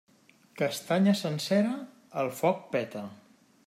Castanya sencera, al foc peta.